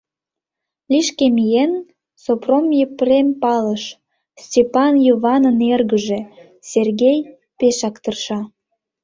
Лишке миен, Сопром Епрем палыш: Стапан Йыванын эргыже, Сергей, пешак тырша.